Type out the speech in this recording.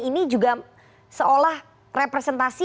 ini juga seolah representasi